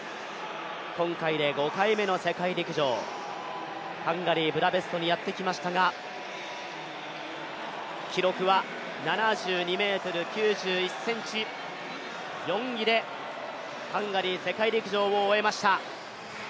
今回で５回目の世界陸上、ハンガリー・ブダペストにやってきましたが、記録は７２ｍ９１ｃｍ、４位でハンガリー世界陸上を終えました。